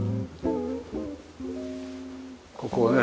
ここをね